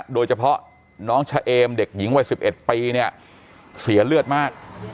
โดยเฉพาะน้องชะเอมเด็กหญิงวัย๑๑ปีเสียเลือดมาก